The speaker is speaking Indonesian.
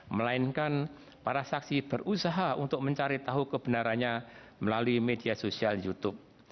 melainkan para saksi berusaha untuk mencari tahu kebenarannya melalui media sosial youtube